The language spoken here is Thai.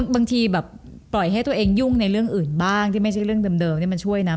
บางทีแบบปล่อยให้ตัวเองยุ่งในเรื่องอื่นบ้างที่ไม่ใช่เรื่องเดิมนี่มันช่วยนะ